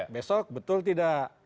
besok betul tidak